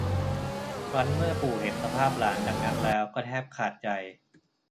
ครั้นเมื่อปู่เห็นสภาพหลานดังนั้นแล้วก็แทบใจขาด